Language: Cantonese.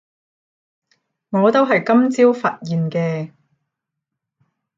我都係今朝發現嘅